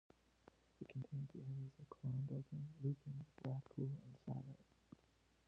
It contains the areas of Clondalkin, Lucan, Rathcoole and Saggart.